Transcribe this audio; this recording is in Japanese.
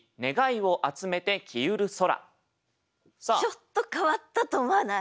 ちょっと変わったと思わない？